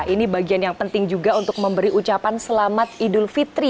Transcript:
ini bagian yang penting juga untuk memberi ucapan selamat idul fitri